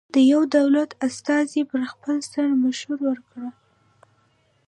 د یوه دولت استازی پر خپل سر مشوره ورکوي.